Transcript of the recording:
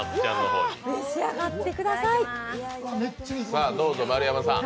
召し上がってください！